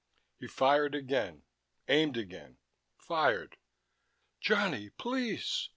He fired again, aimed again, fired.... "Johnny, please...."